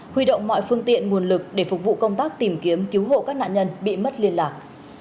huy động mọi phương tiện nguồn lực để phục vụ công tác tìm kiếm cứu hộ các nạn nhân bị mất liên lạc